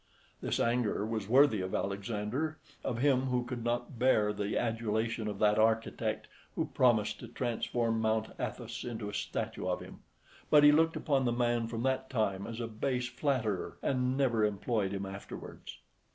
This anger was worthy of Alexander, of him who could not bear the adulation of that architect who promised to transform Mount Athos into a statue of him; but he looked upon the man from that time as a base flatterer, and never employed him afterwards.